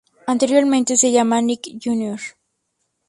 Anteriormente se llamaba Nick Jr.